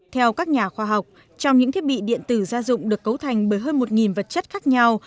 theo các nhà khoa học trong những thiết bị điện tử gia dụng được cấu thành bởi hơn một vật chất khác nhau